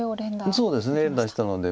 そうですね連打したので。